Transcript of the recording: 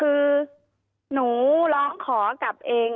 เจ้าหน้าที่แรงงานของไต้หวันบอก